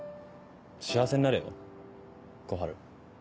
幸せになれよ小春。